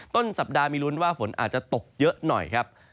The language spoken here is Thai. ต้นสัปดาห์มีลุ้นว่าฝนอาจจะตกเยอะหน่อยครับ